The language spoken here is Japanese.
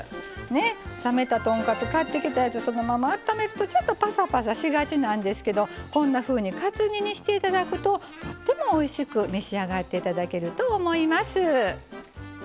冷めた豚カツ買ってきたやつそのままあっためるとちょっとパサパサしがちなんですけどこんなふうにカツ煮にして頂くととってもおいしく召し上がって頂けると思います。